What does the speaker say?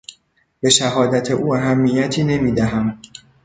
به شهادت او اهمیتی نمیدهم.